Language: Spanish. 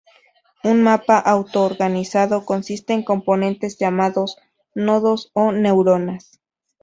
Un mapa auto-organizado consiste en componentes llamadas nodos o neuronas.